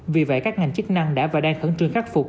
vì vậy các ngành chức năng đã và đang khẩn trương khắc phục